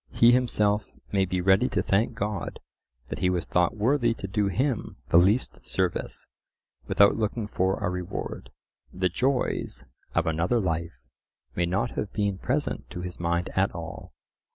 He himself may be ready to thank God that he was thought worthy to do Him the least service, without looking for a reward; the joys of another life may not have been present to his mind at all.